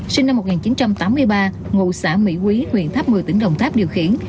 sinh năm một nghìn chín trăm tám mươi ba ngụ xã mỹ quý huyện tháp một mươi tỉnh đồng tháp điều khiển